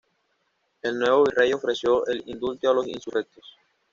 El nuevo virrey ofreció el indulto a los insurrectos.